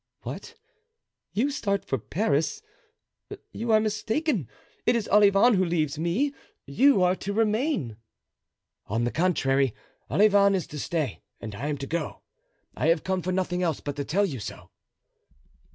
"What? You start for Paris? You are mistaken; it is Olivain who leaves me; you are to remain." "On the contrary, Olivain is to stay and I am to go. I have come for nothing else but to tell you so."